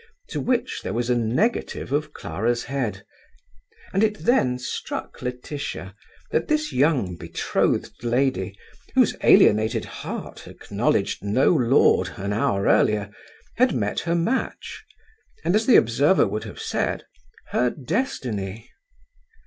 to which there was a negative of Clara's head: and it then struck Laetitia that this young betrothed lady, whose alienated heart acknowledged no lord an hour earlier, had met her match, and, as the observer would have said, her destiny.